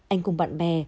anh cùng bạn bè